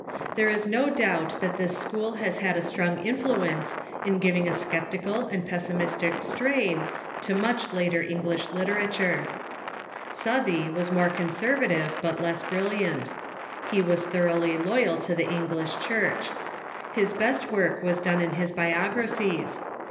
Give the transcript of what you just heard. Thei'e is no doubt that this school has had a strong influence in giving a sceptical and pessimistic strain to much later English literature. Southey was more conservative, but less brilliant. He was thoroughly loyal to the English Church. His best Avork was done in his biographies.